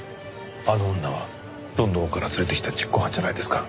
あの女はロンドンから連れて来た実行犯じゃないんですか？